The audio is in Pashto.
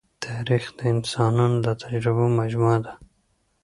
تاریخ د انسانانو د تجربو مجموعه ده.